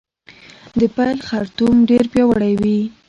د پیل خرطوم ډیر پیاوړی وي